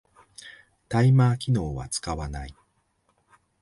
タイマー機能は使わない